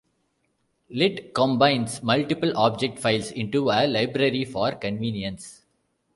Lit combines multiple object files into a library for convenience.